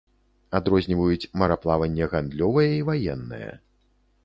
Адрозніваюць мараплаванне гандлёвае і ваеннае.